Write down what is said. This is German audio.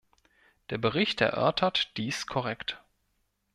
Der Bericht erörtert dies korrekt.